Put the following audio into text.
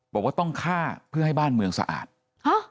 บอกว่าต้องฆ่าเพื่อให้บ้านเมืองสะอาดฮะ